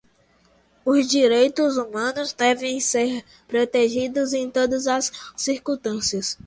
Os direitos humanos devem ser protegidos em todas as circunstâncias.